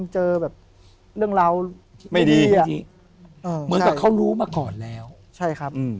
ใช่ครับ